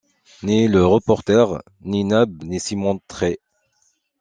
Ni le reporter, ni Nab ne s’y montraient.